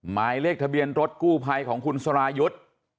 หมายเลขทะเบียนรถกู้ภัยของคุณสรายุทธ์